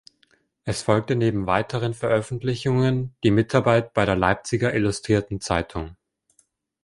Es folgte neben weiteren Veröffentlichungen die Mitarbeit bei der "Leipziger Illustrierten Zeitung".